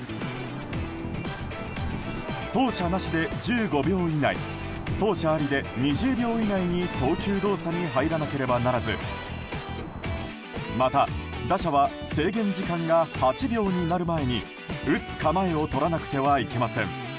走者なしで１５秒以内走者ありで２０秒以内に投球動作に入らなければならずまた打者は制限時間が８秒になる前に打つ構えをとらなくてはいけません。